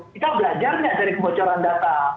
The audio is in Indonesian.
kita belajar nggak dari kebocoran data